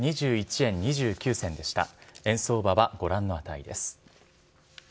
円相場はご覧の値です。